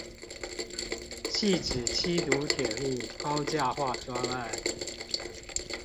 汐止七堵鐵路高架化專案